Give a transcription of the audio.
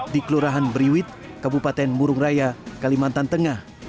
di kelurahan beriwit kabupaten murung raya kalimantan tengah